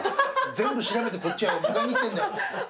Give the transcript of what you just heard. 全部調べてこっちは迎えに行ってんだよっつって。